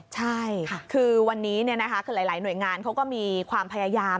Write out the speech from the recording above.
ใช่คือวันนี้คือหลายหน่วยงานเขาก็มีความพยายาม